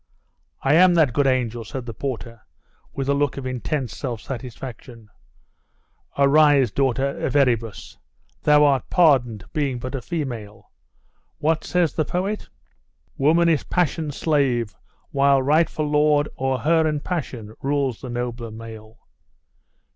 'I am that good angel,' said the porter, with a look of intense self satisfaction. 'Rise, daughter of Erebus; thou art pardoned, being but a female. What says the poet? '"Woman is passion's slave, while rightful lord O'er her and passion, rules the nobler male."